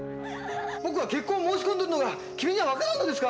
僕は結婚を申し込んどるのが君には分からんのですか！？